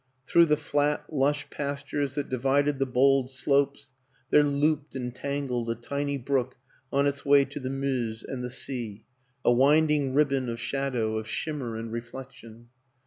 Through the flat, lush pastures that divided the bold slopes there looped and tangled a tiny brook on its way to the Meuse and the sea, a winding ribbon of shadow, of shimmer and reflection.